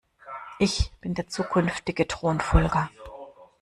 Ich bin der zukünftige Thronfolger.